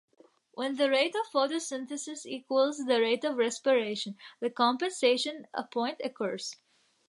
When the rate of photosynthesis equals the rate of respiration, the compensation point occurs.